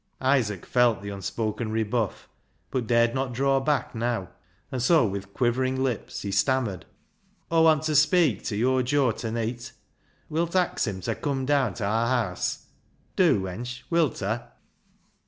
" Isaac felt the unspoken rebuff, but dared not draw back now, and so, with quivering lips, he stammered —" Aw want ta speik ta your Joe ta neet. "Wilt ax him ta cum daan ta aar haase ? Do, wench, wilta ?